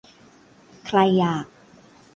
ใครอยาก